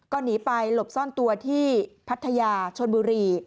ก็หนีไปหลบซ่อนตัวที่พัทยาชนบุรี